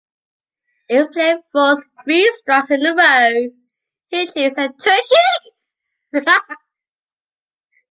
If a player throws three Strikes in a row, he achieves a “Turkey”.